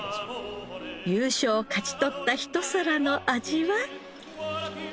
優勝を勝ち取った一皿の味は？